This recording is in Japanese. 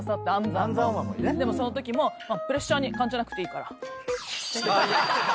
でもそのときも「プレッシャーに感じなくていいから」やってた。